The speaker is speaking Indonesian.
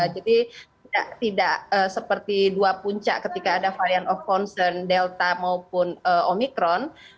jadi tidak seperti dua puncak ketika ada varian of concern delta maupun omikron